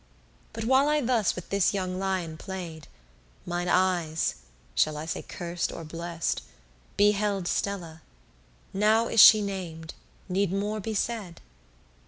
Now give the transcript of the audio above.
But while I thus with this young lion played, Mine eyes (shall I say curst or blest?) beheld Stella; now she is nam'd, need more be said?